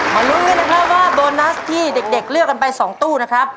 ลุ้นกันนะครับว่าโบนัสที่เด็กเลือกกันไป๒ตู้นะครับ